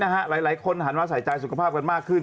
หลายคนหันมาใส่ใจสุขภาพกันมากขึ้น